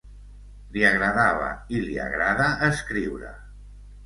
Li agradava i li agrada escriure.